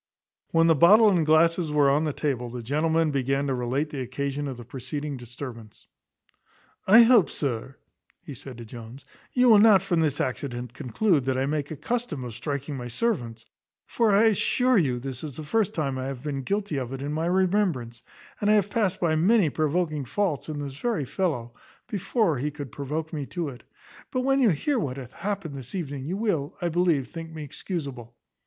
When the bottle and glasses were on the table the gentleman began to relate the occasion of the preceding disturbance. "I hope, sir," said he to Jones, "you will not from this accident conclude, that I make a custom of striking my servants, for I assure you this is the first time I have been guilty of it in my remembrance, and I have passed by many provoking faults in this very fellow, before he could provoke me to it; but when you hear what hath happened this evening, you will, I believe, think me excusable.